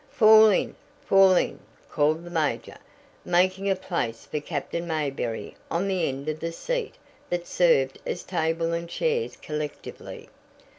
"Fall in! fall in!" called the major, making a place for Captain Mayberry on the end of the seat that served as table and chairs collectively.